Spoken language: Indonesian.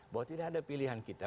bahwa tidak ada pilihan kita